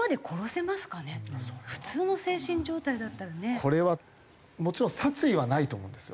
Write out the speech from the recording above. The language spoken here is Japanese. これはもちろん殺意はないと思うんですよ。